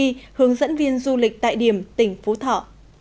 hướng dẫn viên du lịch tại điểm tỉnh phú thọ